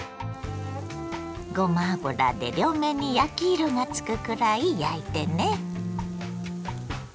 ごま油で両面に焼き色がつくくらい焼いてね。